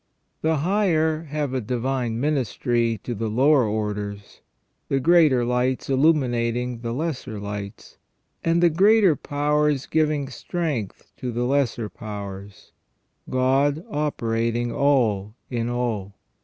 The higher have a divine ministry to the lower orders, the greater lights illuminating the lesser lights, and the greater powers giving strength to the lesser powers, God operating all in all.